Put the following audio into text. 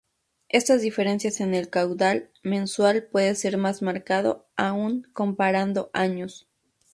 Estas diferencias en el caudal mensual puede ser más marcado aún comparando años.